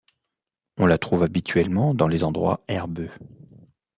On la trouve habituellement dans les endroits herbeux.